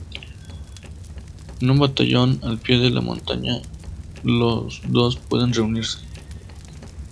En un pabellón al pie de la montaña, los dos pueden reunirse.